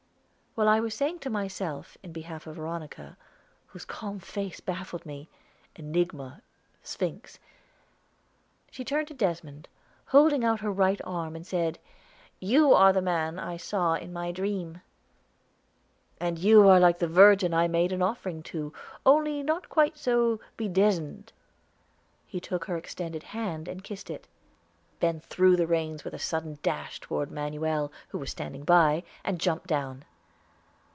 While, I was saying to myself, in behalf of Veronica, whose calm face baffled me, "Enigma, Sphinx"; she turned to Desmond, holding out her right arm, and said, "You are the man I saw in my dream." "And you are like the Virgin I made an offering to, only not quite so bedizened." He took her extended hand and kissed it. Ben threw the reins with a sudden dash toward Manuel, who was standing by, and jumped down.